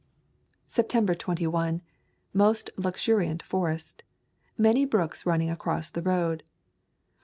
September 21. Most luxuriant forest. Many brooks running across the road.